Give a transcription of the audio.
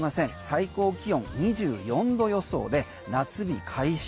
最高気温２４度予想で夏日解消。